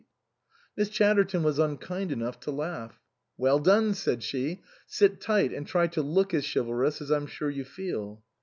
121 THE COSMOPOLITAN Miss Chatterton was unkind enough to laugh. " Well done !" said she. " Sit tight, and try to look as chivalrous as I'm sure you feel."